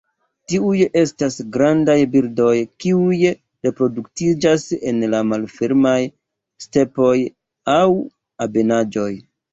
Tiuj estas grandaj birdoj kiuj reproduktiĝas en malfermaj stepoj aŭ ebenaĵoj.